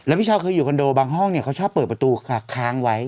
พี่เช้าเคยอยู่คอนโดบางห้องเนี่ยเขาชอบเปิดประตูค้างไว้